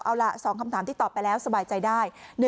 เอาล่ะ๒คำถามที่ตอบไปแล้วสบายใจได้